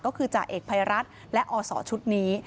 ก็คือจ่าเอกภัยรัฐและอศชุดนี้